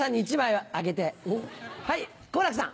はい好楽さん。